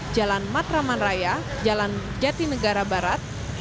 jalan matraman raya jalan jati negara barat